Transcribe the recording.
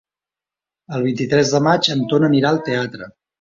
El vint-i-tres de maig en Ton anirà al teatre.